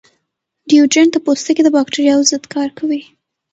ډیوډرنټ د پوستکي د باکتریاوو ضد کار کوي.